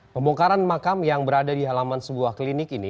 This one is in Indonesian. pembongkaran makam yang berada di halaman sebuah klinik ini